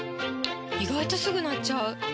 意外とすぐ鳴っちゃう！